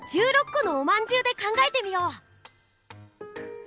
このおまんじゅうで考えてみよう！